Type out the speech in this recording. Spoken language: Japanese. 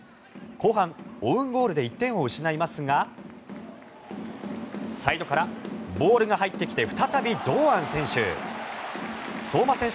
後半、オウンゴールで１点を失いますがサイドからボールが入ってきて再び堂安選手。